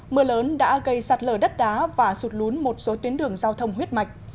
mưa lớn đã gây sạt lở đất đá và sụt lún một số tuyến đường giao thông huyết mạch